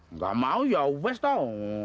nggak mau ya ubes tahu